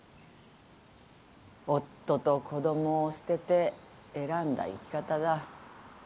夫と子供を捨てて選んだ生き方だ。